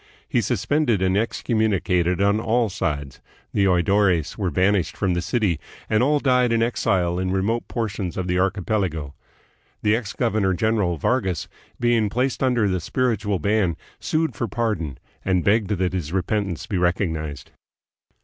He suspended and excommunicated on all sides. The oidores were banished from the city, and all died in exile in remote portions of the archipelago. The ex governor general, Vargas, being placed under the spiritual ban, sued for pardon and begged that his repentance be recognized.